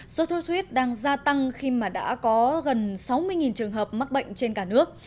số thuốc huyết đang gia tăng khi mà đã có gần sáu mươi trường hợp mắc bệnh trên cả nước